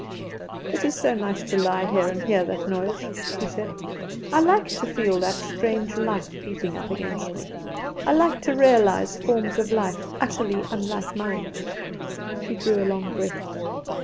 "It is so nice to lie here and hear that noise," she said. "I like to feel that strange life beating up against me. I like to realise forms of life utterly unlike mine." She drew a long breath.